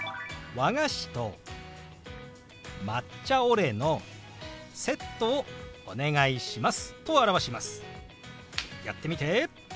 和菓子と抹茶オレのセットをお願いします。